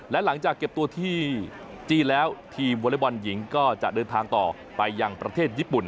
และหลังจากเก็บตัวที่จีนแล้วทีมวอเล็กบอลหญิงก็จะเดินทางต่อไปยังประเทศญี่ปุ่น